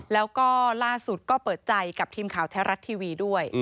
แล้วก็ล่าสุดก็เปิดใจกับทีมข่าวแท้รัฐทีวีด้วย